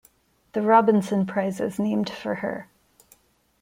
The Robinson Prize is named for her.